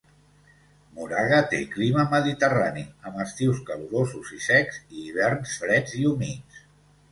Moraga té clima mediterrani, amb estius calorosos i secs i hiverns freds i humits.